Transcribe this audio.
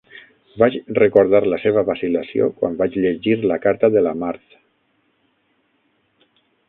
Vaig recordar la seva vacil·lació quan vaig llegir la carta de la Marthe.